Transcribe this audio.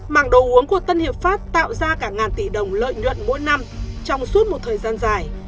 mảng đồ uống của tân hiệp pháp tạo ra cả ngàn tỷ đồng lợi nhuận mỗi năm trong suốt một thời gian dài